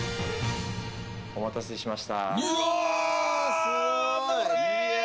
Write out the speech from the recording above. お待たせしました。